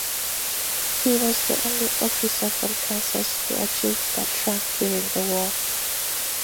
He was the only officer from Kansas to achieve that rank during the war.